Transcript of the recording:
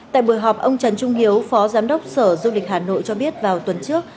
tại buổi họp ông trần trung hiếu phó giám đốc sở du lịch hà nội cho biết vào tuần trước